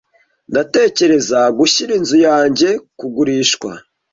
Ndatekereza gushyira inzu yanjye kugurishwa.